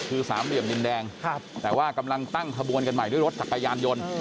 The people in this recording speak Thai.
คือสามเหลี่ยมดินแดงแต่ว่ากำลังตั้งขบวนกันใหม่ด้วยรถจักรยานยนต์